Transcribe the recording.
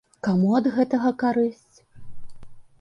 Каму ад гэтага карысць?